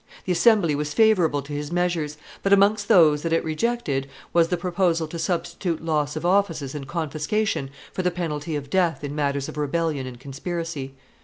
The Assembly was favorable to his measures; but amongst those that it rejected was the proposal to substitute loss of offices and confiscation for the penalty of death in matters of rebellion and conspiracy.